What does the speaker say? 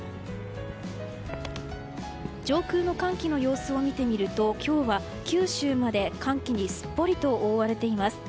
上空の寒気の様子を見てみると今日は九州まで寒気にすっぽりと覆われています。